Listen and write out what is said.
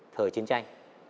thời chiến tranh